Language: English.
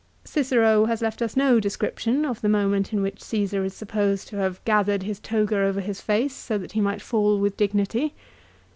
Cicero has left us no description of the moment in which Caesar is supposed to have gathered his toga over his face so that he might fall with dignity.